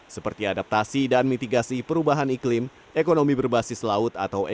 seperti adaptasi dan mitigasi perubahan iklim ekonomi berbasis laut atau ekonomi